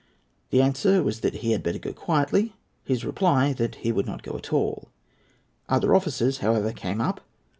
The answer was that he had better go quietly; his reply that he would not go at all. Other officers, however, came up.